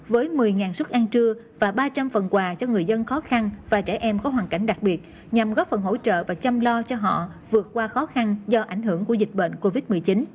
với một mươi suất ăn trưa và ba trăm linh phần quà cho người dân khó khăn và trẻ em có hoàn cảnh đặc biệt nhằm góp phần hỗ trợ và chăm lo cho họ vượt qua khó khăn do ảnh hưởng của dịch bệnh covid một mươi chín